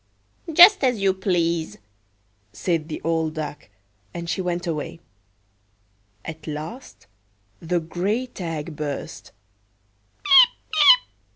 "Just as you please," said the old Duck; and she went away.At last the great egg burst.